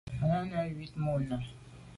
Á nèn njwit mum nà.